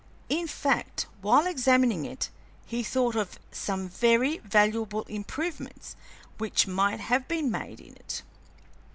In fact, while examining it, he thought of some very valuable improvements which might have been made in it.